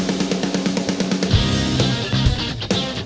อันนี้ปลาอินซียักษ์นะครับ